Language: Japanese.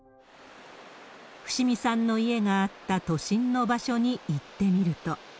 伏見さんの家があった都心の場所に行ってみると。